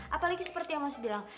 apalagi seperti yang mas bilang